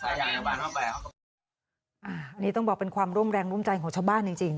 อันนี้ต้องบอกเป็นความร่วมแรงร่วมใจของชาวบ้านจริงจริง